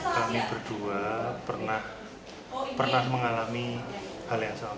kami berdua pernah mengalami hal yang sama